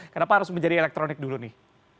kenapa harus menjadi elektronik dulu nih